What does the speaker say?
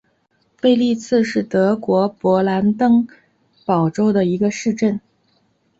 贝利茨是德国勃兰登堡州的一个市镇。